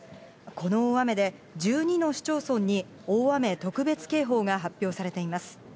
この大雨で、１２の市町村に大雨特別警報が発表されています。